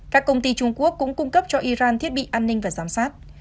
các công ty trung quốc cũng cung cấp cho iran thiết bị an ninh và giám sát